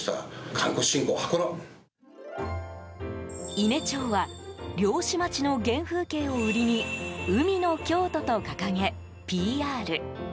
伊根町は漁師町の原風景を売りに海の京都と掲げ、ＰＲ。